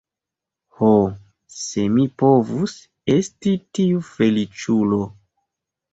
Ho, se mi povus esti tiu feliĉulo!